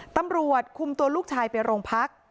ตำรวจคุมตัวลูกชายไปโรงพัก